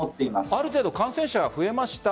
ある程度、感染者が増えました